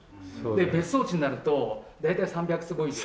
別荘地になると大体３００坪以上。